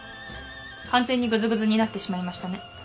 完全にぐずぐずになってしまいましたね。